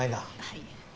はい。